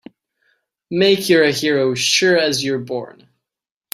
Make you're a hero sure as you're born!